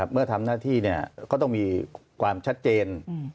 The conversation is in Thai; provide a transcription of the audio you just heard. เมื่อทำหน้าที่ก็ต้องมีความชัดเจน